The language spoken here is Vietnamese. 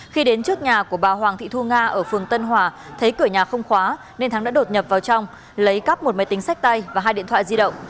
khi đến trước nhà của bà hoàng thị thu nga ở phường tân hòa thấy cửa nhà không khóa nên thắng đã đột nhập vào trong lấy cắp một máy tính sách tay và hai điện thoại di động